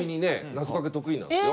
なぞかけ得意なんですよ。